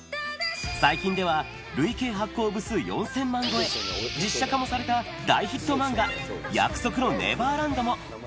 最近では累計発行部数４０００万超え、実写化もされた大ヒット漫画、約束のネバーランドも。